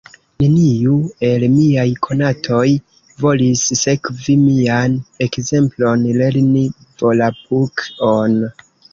Neniu el miaj konatoj volis sekvi mian ekzemplon, lerni Volapuk-on.